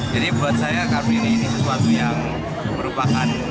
jadi buat saya car free day ini sesuatu yang merupakan